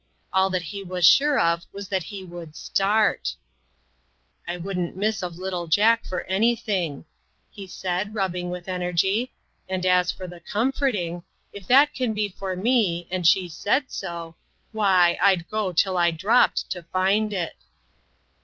All that he was sure of was that he would start. "I wouldn't miss of little Jack for any thing," he said, rubbing with energy ;" and as for the 'comforting,' if that can be for me and she said so why, I'd go till I dropped, to find it."